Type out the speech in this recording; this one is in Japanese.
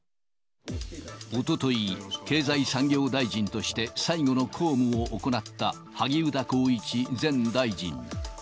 おととい、経済産業大臣として最後の公務を行った萩生田光一前大臣。